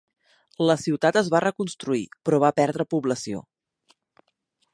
La ciutat es va reconstruir però va perdre població.